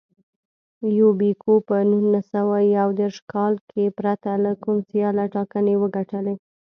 یوبیکو په نولس سوه یو دېرش کال کې پرته له کوم سیاله ټاکنې وګټلې.